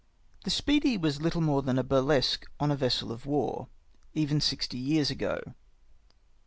The Speedy was little more than a burlesque on a vessel of war, even sixty years ago.